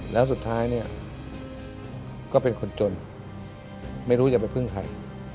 แล้วสุดท้ายเนี่ยก็เป็นคนจนไม่รู้จะไปพึ่งใคร